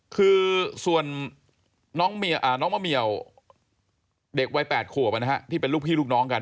คือส่วนน้องมะเหมียวเด็กวัย๘ขวบที่เป็นลูกพี่ลูกน้องกัน